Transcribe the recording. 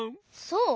そう？